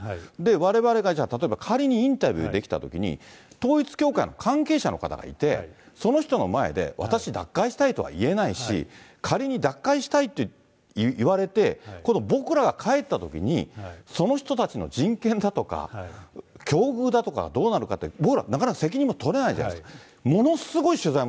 われわれがじゃあ、例えば仮にインタビューできたときに、統一教会の関係者の方がいて、その人の前で、私脱会したいとは言えないし、仮に脱会したいと言われて、今度僕らが帰ったときに、その人たちの人権だとか、境遇だとかどうなるかって、僕らなかなか責任取れないじゃないですか、そうですね。